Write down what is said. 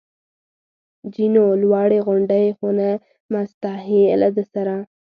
جینو: لوړې غونډۍ، خو نه مسطحې، له ده سره.